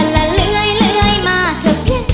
เลื่อยมาเถอะเพียง